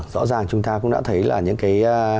rõ ràng chúng ta cũng đã thấy là những cái